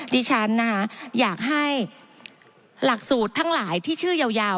ดิฉันนะคะอยากให้หลักสูตรทั้งหลายที่ชื่อยาว